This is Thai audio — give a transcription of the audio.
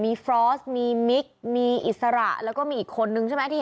มีฟรอสมีมิกมีอิสระแล้วก็มีอีกคนนึงใช่ไหมที่เห็น